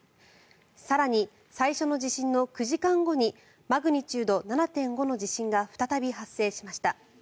更に、最初の地震の９時間後にマグニチュード７．５の地震が再び発生しました。